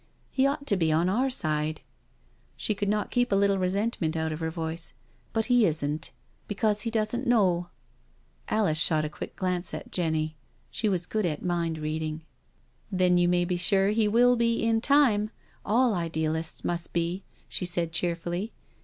He ought to be on our side "—she could not keep a little resentment out of her voice—" but he isn't— because he doesn't know. •••" Alice shot a quick glance at Jenny. She was good at mind reading. " Then you may be sure he will be in time— all idealists must be," she said cheerfully.